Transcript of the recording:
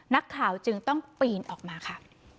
นักข่าวจึงต้องปีนออกมาค่ะ